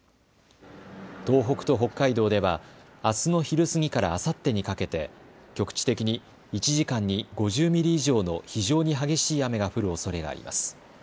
東北と北海道ではあすの昼過ぎからあさってにかけて局地的に１時間に５０ミリ以上の非常に激しい雨が降るおそれがあります。